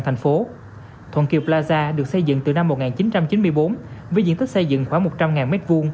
thuận kiều plaza đã được xây dựng từ năm một nghìn chín trăm chín mươi bốn với diện tích xây dựng khoảng một trăm linh m hai